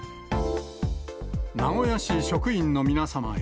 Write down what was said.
名古屋市職員の皆様へ。